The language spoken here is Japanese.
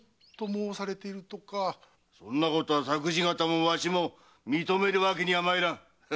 そんなことは作事方もわしも認めるわけにはまいらぬ！